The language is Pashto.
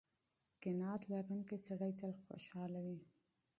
قناعت لرونکی سړی تل خوشحاله وي.